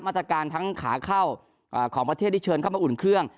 ทั้งขาเข้าของประเทศที่เชิญเข้ามาอุ่นเครื่อง